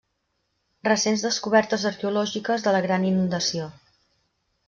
Recents descobertes arqueològiques de la gran inundació.